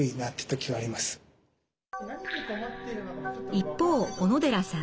一方小野寺さん。